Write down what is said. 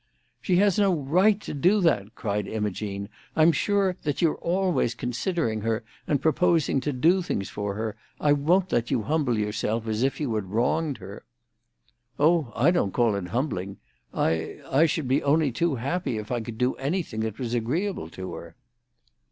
"She has no right to do that," cried Imogene. "I'm sure that you're always considering her, and proposing to do things for her. I won't let you humble yourself, as if you had wronged her." "Oh, I don't call it humbling. I—I should only be too happy if I could do anything that was agreeable to her."